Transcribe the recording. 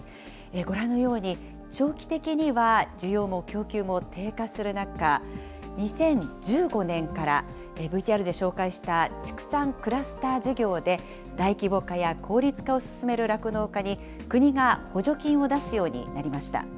ご覧のように、長期的には需要も供給も低下する中、２０１５年からＶＴＲで紹介した畜産クラスター事業で、大規模化や効率化を進める酪農家に、国が補助金を出すようになりました。